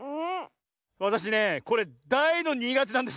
わたしねこれだいのにがてなんですよ。